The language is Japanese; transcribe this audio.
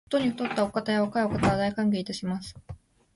ことに肥ったお方や若いお方は、大歓迎いたします